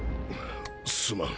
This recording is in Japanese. すまん。